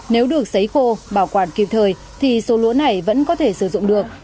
nếu được xấy khô bảo quản kịp thời thì số lúa này vẫn có thể sử dụng được